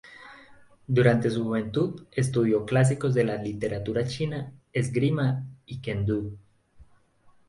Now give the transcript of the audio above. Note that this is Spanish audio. Durante su juventud estudió clásicos de la literatura china, esgrima y kendō.